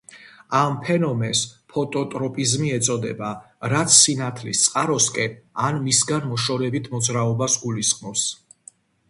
ამ ფენომენს ფოტოტროპიზმი ეწოდება, რაც სინათლის წყაროსკენ ან მისგან მოშორებით მოძრაობას გულისხმობს.